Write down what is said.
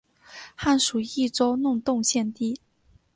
汉属益州弄栋县地。